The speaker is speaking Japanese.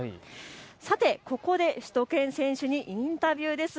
さて、ここでしゅと犬選手にインタビューです。